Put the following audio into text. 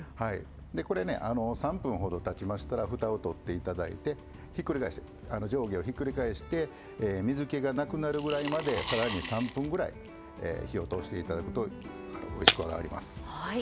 これね３分ほどたちましたらふたを取って頂いて上下をひっくり返して水けがなくなるぐらいまでさらに３分ぐらい火を通して頂くとおいしくあがります。